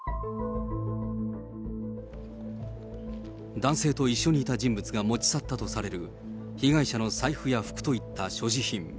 男性と一緒にいた人物が持ち去ったとされる被害者の財布や服といった所持品。